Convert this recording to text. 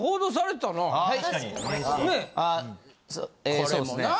これもな。